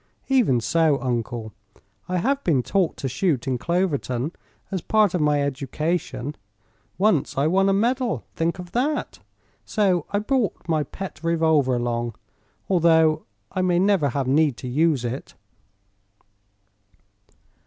"Even so, Uncle, I have been taught to shoot in Cloverton, as a part of my education. Once I won a medal think of that! So I brought my pet revolver along, although I may never have need to use it."